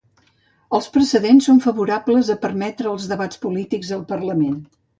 Els precedents són favorables a permetre els debats polítics al Parlament.